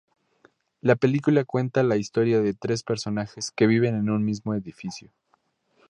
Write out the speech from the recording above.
La película cuenta la historia de tres personajes que viven en un mismo edificio.